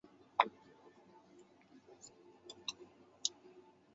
为河北派形意拳最主要的传承者之一。